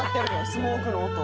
スモークの音。